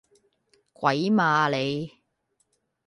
鬼馬呀你！